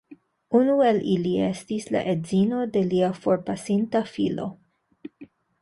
Unu el ili estis la edzino de lia forpasinta filo.